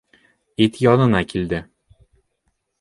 Ит янына килде.